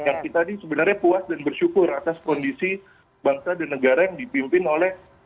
yang kita ini sebenarnya puas dan bersyukur atas kondisi bangsa dan negara yang dipimpin oleh